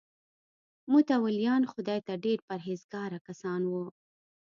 متولیان خدای ته ډېر پرهیزګاره کسان وو.